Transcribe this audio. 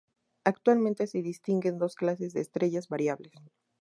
Actualmente se distinguen dos clases de estrellas variables.